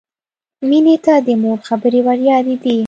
مینې ته د مور خبرې وریادېدې